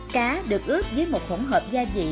cá được ướp với một hỗn hợp gia vị